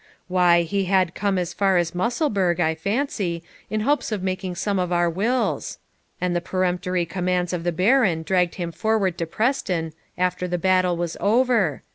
'Why, he had come as far as Musselburgh, I fancy, in hopes of making some of our wills; and the peremptory commands of the Baron dragged him forward to Preston after the battle was over.